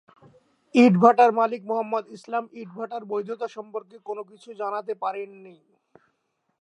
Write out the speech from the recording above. ইটভাটার মালিক মোহাম্মদ ইসলাম ইটভাটার বৈধতা সম্পর্কে কোনো কিছু জানাতে পারেননি।